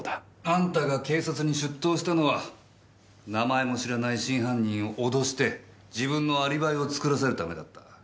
あんたが警察に出頭したのは名前も知らない真犯人を脅して自分のアリバイを作らせるためだった。